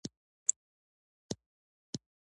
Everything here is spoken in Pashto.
جمپر او بوټان مې هم ور وغورځول.